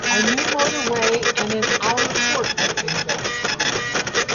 A new motorway and an outer-port have been built.